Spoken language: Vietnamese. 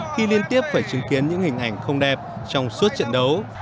khi liên tiếp phải chứng kiến những hình ảnh không đẹp trong suốt trận đấu